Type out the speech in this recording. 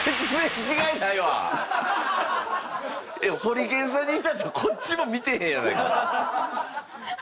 ホリケンさんに至ってはこっちも見てへんやないか。